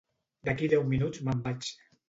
D'aquí a deu minuts me'n vaig